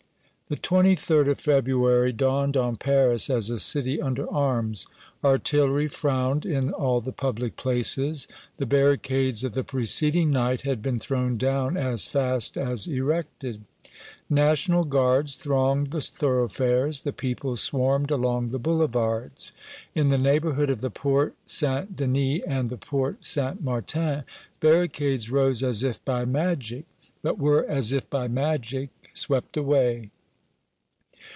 The 23d of February dawned on Paris as a city under arms. Artillery frowned in all the public places; the barricades of the preceding night had been thrown down as fast as erected; National Guards thronged the thoroughfares; the people swarmed along the boulevards. In the neighborhood of the Porte St. Denis and the Porte St. Martin, barricades rose as if by magic, but were as if by magic swept away.